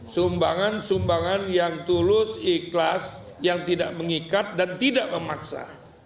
sumbangan sumbangan yang tulus ikhlas yang tidak mengikat dan tidak memaksa